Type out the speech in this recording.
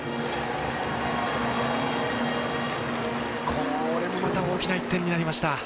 これもまた大きな１点になりました。